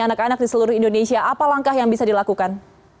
anak anak di seluruh indonesia apa langkah yang bisa dilakukan